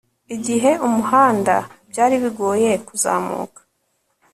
igihe umuhanda byari bigoye kuzamuka